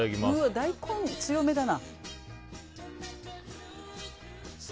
大根強めだな。